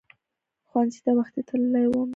ښوونځی ته وختي تلل مهم دي